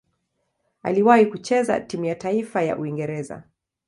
Aliwahi kucheza timu ya taifa ya Uingereza.